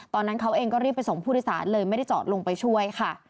ตอนนั้นเขาเองก็รีบไปส่งผู้โดยสารเลยไม่ได้จอดลงไปช่วยค่ะ